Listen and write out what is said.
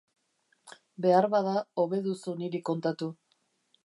Beharbada, hobe duzu niri kontatu.